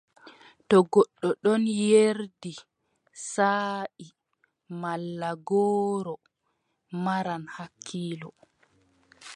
To goɗɗo ɗon yerdi saaʼi malla gooro, maran hakkiilo.